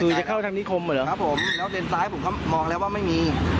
คือจะเข้าทางนิคมเหรอครับผมแล้วเลนซ้ายผมก็มองแล้วว่าไม่มี